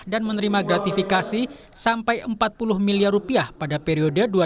dan menerima gratifikasi sampai rp empat puluh miliar